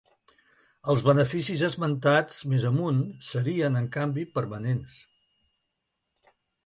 Els beneficis esmentats més amunt serien, en canvi, permanents.